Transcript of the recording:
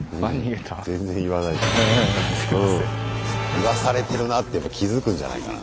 言わされてるなって気付くんじゃないかな。